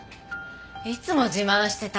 いつも自慢してた。